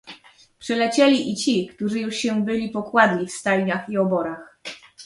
"Przylecieli i ci, którzy już się byli pokładli w stajniach i oborach."